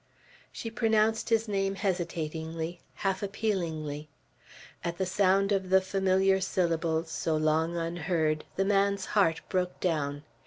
She pronounced his name hesitatingly, half appealingly. At the sound of the familiar syllables, so long unheard, the man's heart broke down.